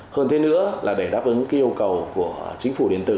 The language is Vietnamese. hơn thế nữa là để đáp ứng cái yêu cầu của chính phủ điện tử